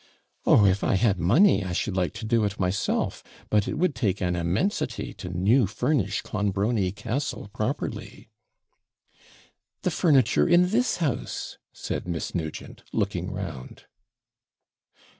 'Oh, if I had money, I should like to do it myself; but it would take an immensity to new furnish Clonbrony Castle properly.' 'The furniture in this house,' said Miss Nugent, looking round.